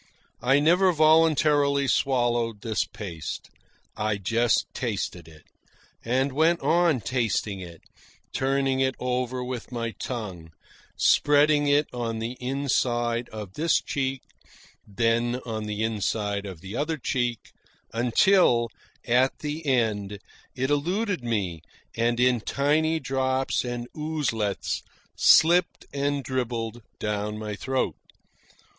I never voluntarily swallowed this paste. I just tasted it, and went on tasting it, turning it over with my tongue, spreading it on the inside of this cheek, then on the inside of the other cheek, until, at the end, it eluded me and in tiny drops and oozelets, slipped and dribbled down my throat.